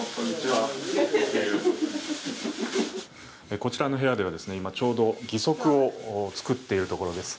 こちらの部屋では今ちょうど義足を作っているところです。